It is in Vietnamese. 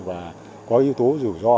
và có yếu tố rủi ro